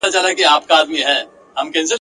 مُلایانو به زکات ولي خوړلای ..